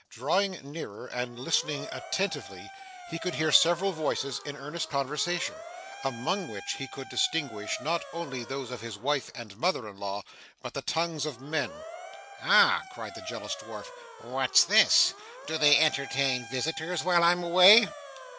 Drawing nearer, and listening attentively, he could hear several voices in earnest conversation, among which he could distinguish, not only those of his wife and mother in law, but the tongues of men. 'Ha!' cried the jealous dwarf, 'What's this! Do they entertain visitors while I'm away!